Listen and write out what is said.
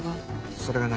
それが何？